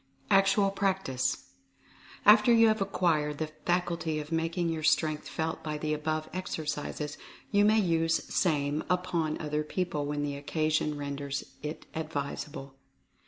ACTUAL PRACTICE. After you have acquired the faculty of making your strength felt by the above exercises you may use same uppn other people when the occasion renders it ad visable.